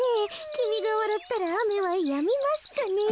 きみがわらったらあめはやみますかねえ。